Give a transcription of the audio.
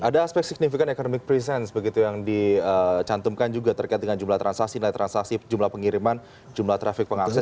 ada aspek signifikan economic presence begitu yang dicantumkan juga terkait dengan jumlah transaksi nilai transaksi jumlah pengiriman jumlah trafik pengakses